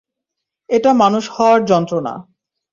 এটা মানুষ হওয়ার যন্ত্রণা।